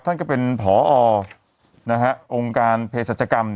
ท่านก็เป็นผอนะฮะองค์การเพศรัชกรรม